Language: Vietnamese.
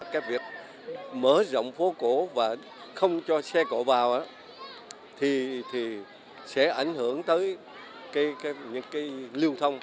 cái việc mở rộng phố cổ và không cho xe cổ vào thì sẽ ảnh hưởng tới những cái lưu thông